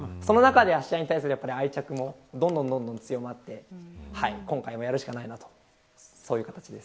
その中で、芦屋に対する愛着も強まって今回もやるしかないなという形です。